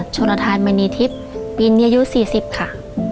โชฬาทายมันนีทิพย์ปีนิยายุ๔๐ค่ะ